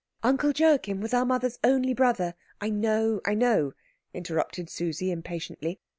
"Uncle Joachim was our mother's only brother " "I know, I know," interrupted Susie impatiently.